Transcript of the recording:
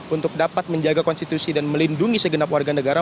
untuk dapat menjaga konstitusi dan melindungi segenap warga negara